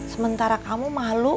sementara kamu malu